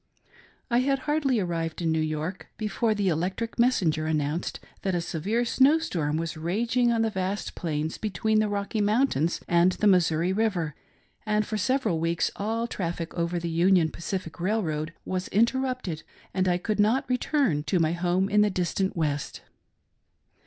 1 had hardly arrived in New York, before the electric messenger announced that a severe snow storm was raging on the vast plains between the Rocky Mountains and the Missouri River, and for several weeks all traffic over the Union Pacific Railroad was interrupted, and I could not return to my home in the distant West.